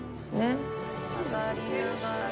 「下がりながら」